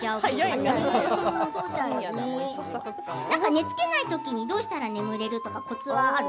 なんか寝付けないときにどうしたら眠れるとかコツはある？